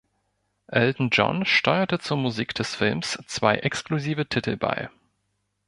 Elton John steuerte zur Musik des Films zwei exklusive Titel bei.